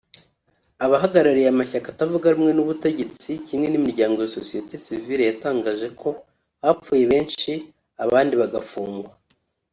Abahagarariye amashyaka atavuga rumwe n’ubutegetsi kimwe n’imiryango ya sosiyete sivile yatangaje ko hapfuye benshi abandi bagafungwa